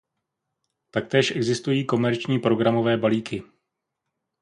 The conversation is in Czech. Taktéž existují komerční programové balíky.